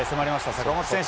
坂本選手